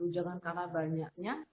jangan karena banyaknya